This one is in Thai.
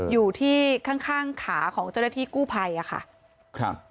อยู่ที่ข้างขาของเจ้าหน้าที่กู้ไพค่ะ